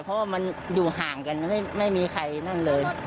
เพราะว่ามันอยู่ห่างกันไม่มีใครนั่นเลย